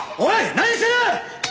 何してる！？